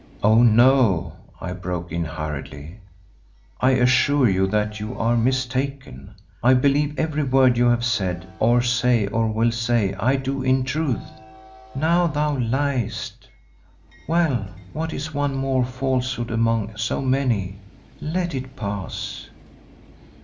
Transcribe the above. "Oh! no," I broke in hurriedly, "I assure you that you are mistaken. I believe every word you have said, or say or will say; I do in truth." "Now thou liest. Well, what is one more falsehood among so many? Let it pass."